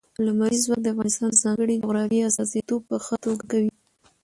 لمریز ځواک د افغانستان د ځانګړي جغرافیې استازیتوب په ښه توګه کوي.